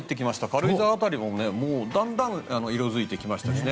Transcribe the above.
軽井沢辺りもだんだん色づいてきました。